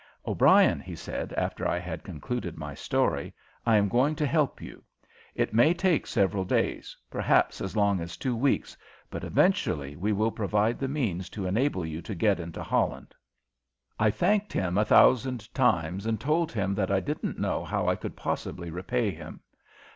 "O'Brien," he said, after I had concluded my story, "I am going to help you. It may take several days perhaps as long as two weeks, but eventually we will provide the means to enable you to get into Holland!" I thanked him a thousand times and told him that I didn't know how I could possibly repay him.